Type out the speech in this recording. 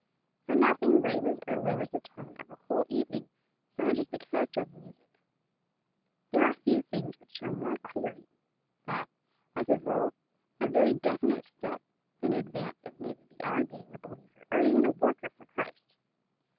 For nothing raises or lowers the tone of a whole evening so much as the character of the music. There are few things which show more clearly that, as a rule, a very definite step in advance is needed beyond being a believer or even a worker for Christ.